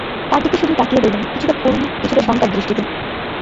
তার দিকে শুধু তাকিয়ে রইলাম, কিছুটা করুণা, কিছুটা শঙ্কার দৃষ্টিতে।